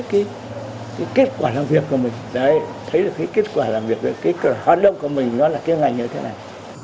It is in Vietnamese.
cái kết quả làm việc của mình đấy thấy được cái kết quả làm việc của mình cái hoạt động của mình nó là cái ngành như thế này